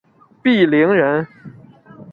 鄙陵人。